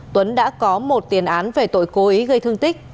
tuấn đã có một tiền án về tội cố ý gây thương tích